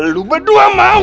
lo berdua mau